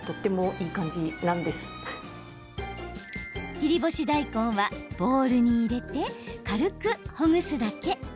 切り干し大根はボウルに入れて軽くほぐすだけ。